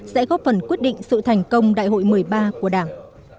sẽ góp phần quyết định sự thành công đại hội một mươi ba của đảng